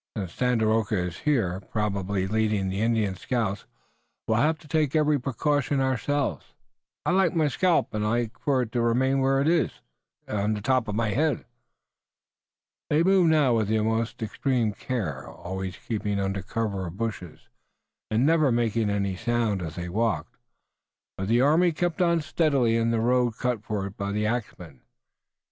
"Since Tandakora is here, probably leading the Indian scouts, we'll have to take every precaution ourselves. I like my scalp, and I like for it to remain where it has grown, on the top of my head." They moved now with the most extreme care, always keeping under cover of bushes, and never making any sound as they walked, but the army kept on steadily in the road cut for it by the axmen.